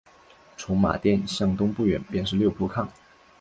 从马甸向东不远便是六铺炕。